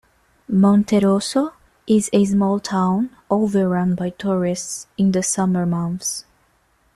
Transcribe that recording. Monterosso is a small town overrun by tourists in the summer months.